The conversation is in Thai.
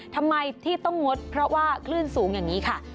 ทำไมที่ต้องงดเพราะว่าคลื่นสูงอย่างนี้ค่ะ